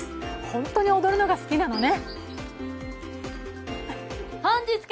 本当に踊るのが好きなのね！